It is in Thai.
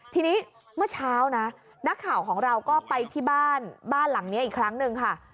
ทีนี้เมื่อเช้านะนักข่าวของเราก็ไปที่บ้านบ้านหลังนี้อีกครั้งหนึ่งค่ะ